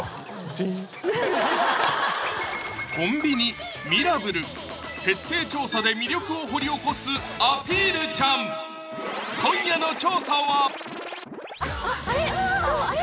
チンコンビニミラブル徹底調査で魅力を掘り起こす「アピルちゃん」今夜の調査はそうあれ！